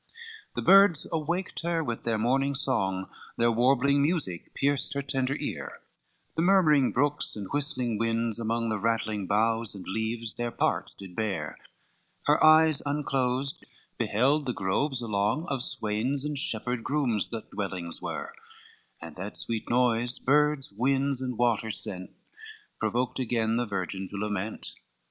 V The birds awaked her with their morning song, Their warbling music pierced her tender ear, The murmuring brooks and whistling winds among The rattling boughs and leaves, their parts did bear; Her eyes unclosed beheld the groves along Of swains and shepherd grooms that dwellings were; And that sweet noise, birds, winds and waters sent, Provoked again the virgin to lament.